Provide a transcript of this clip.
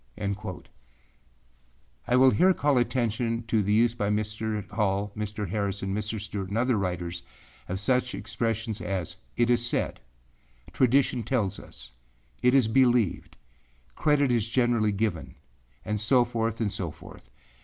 â I will here call attention to the use by Mr. Hall, Mr. Harrison, Mr. Stewart, and other writers of such expressions as âIt is said,â âTradition tells us,â âIt is believed,â âCredit is generally given,â and so forth and so forth.